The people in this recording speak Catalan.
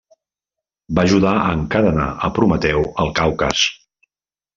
Va ajudar a encadenar a Prometeu al Caucas.